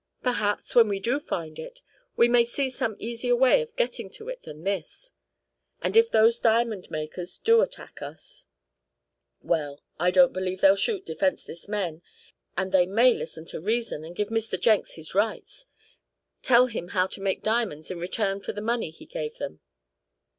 Perhaps, when we do find it, we may see some easier way of getting to it than this. And if those diamond makers do attack us well, I don't believe they'll shoot defenseless men, and they may listen to reason, and give Mr. Jenks his rights tell him how to make diamonds in return for the money he gave them."